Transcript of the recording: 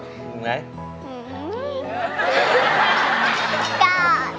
อย่างไหน